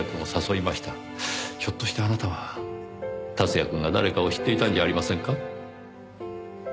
ひょっとしてあなたは竜也くんが誰かを知っていたんじゃありませんか？